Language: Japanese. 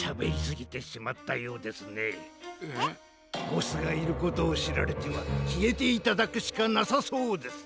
ボスがいることをしられてはきえていただくしかなさそうです。